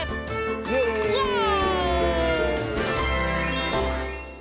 イエーイ！